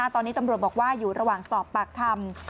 ตอนนี้ตำรวจบอกว่าอยู่ระหว่างสอบปากคำ